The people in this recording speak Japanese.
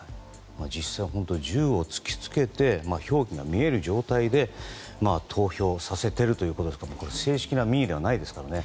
実際に銃を突き付けて表記が見える状態で投票させているということですから、これは正式な民意ではないですからね。